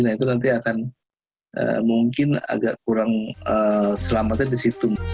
nah itu nanti akan mungkin agak kurang selamatnya di situ